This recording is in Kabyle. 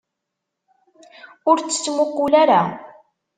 Ur tt-ttmuqqul ara!